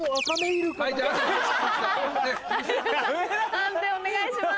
判定お願いします。